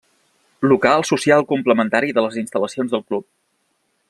Local social complementari de les instal·lacions del club.